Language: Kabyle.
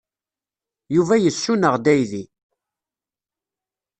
Yuba yessuneɣ-d aydi.